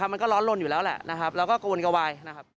มันก็ร้อนลนอยู่แล้วแล้วแล้วก็โกนกระวาย